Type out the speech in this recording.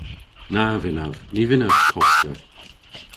Na vynnav. Ny vynnav koska.